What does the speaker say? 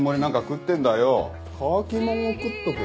乾き物を食っとけ。